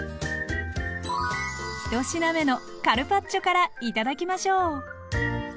一品目のカルパッチョから頂きましょう。